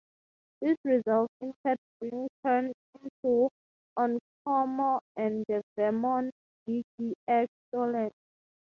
This results in Kurt being turned into Oinkmon and the Vemmon Digi-Egg stolen.